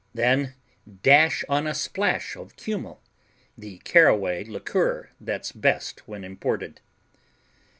Then dash on a splash of kümmel, the caraway liqueur that's best when imported.